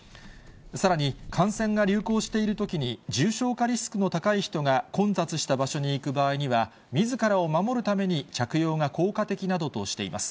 さらに、感染が流行しているときに、重症化リスクの高い人が混雑した場所に行く場合には、みずからを守るために、着用が効果的などとしています。